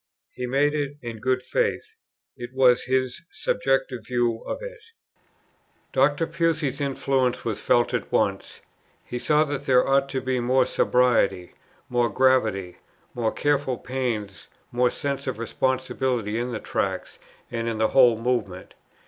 He made it in good faith; it was his subjective view of it. Dr. Pusey's influence was felt at once. He saw that there ought to be more sobriety, more gravity, more careful pains, more sense of responsibility in the Tracts and in the whole Movement.